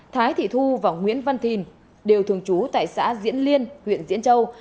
thái thị thu và nguyễn văn thìn đều thường trú tại xã diễn liên huyện diễn châu